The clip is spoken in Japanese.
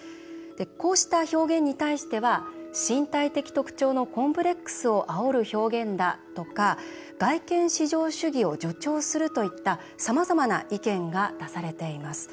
こうした表現に対しては身体的特徴のコンプレックスをあおる表現だとか外見至上主義を助長するといったさまざまな意見が出されています。